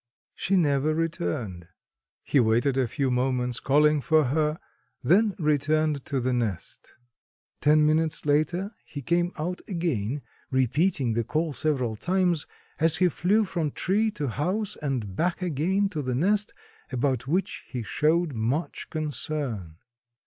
She never returned. He waited a few moments, calling for her, then returned to the nest. Ten minutes later he came out again, repeating the call several times as he flew from tree to house and back again to the nest, about which he showed much concern.